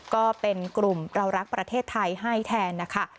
ก็เป็นกลุ่มเรารักประเทศไทยให้แทนนะคะ